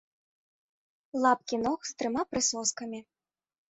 Лапкі ног з трыма прысоскамі.